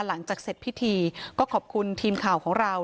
หลังจากเสร็จพิธีก็ขอบคุณทีมข่าวของเรา